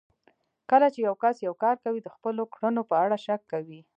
کله چې يو کس يو کار کوي د خپلو کړنو په اړه شک کوي.